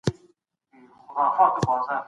استازي به ګډي ناستي جوړوي.